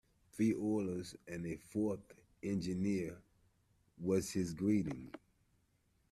Three oilers and a fourth engineer, was his greeting.